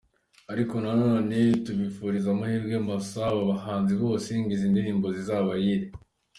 Ariko nanone tukifuriza amahirwe masa aba bahanzi bose ngo izi ndirimbo zizabahire.